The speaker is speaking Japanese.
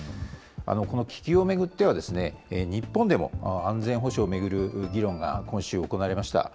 この気球を巡っては、日本でも安全保障を巡る議論が今週行われました。